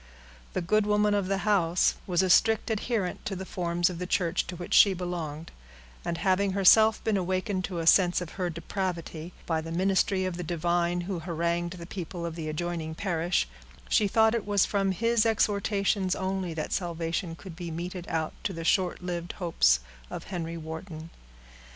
The good woman of the house was a strict adherent to the forms of the church to which she belonged; and having herself been awakened to a sense of her depravity, by the ministry of the divine who harangued the people of the adjoining parish, she thought it was from his exhortations only that salvation could be meted out to the short lived hopes of Henry Wharton.